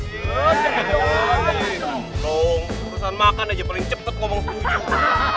tunggu perusahaan makan aja paling cepet ngomong sepuluh sepuluh